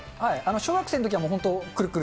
小学生のときは、もう本当、くるくる。